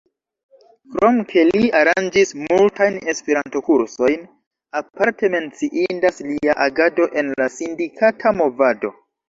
Krom ke li aranĝis multajn Esperanto-kursojn, aparte menciindas lia agado en la sindikata movado.